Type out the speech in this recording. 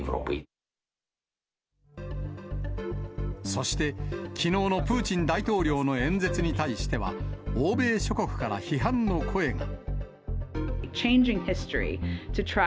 そして、きのうのプーチン大統領の演説に対しては、欧米諸国から批判の声が。